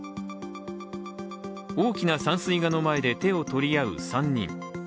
大きな山水画の前で、手を取り合う３人。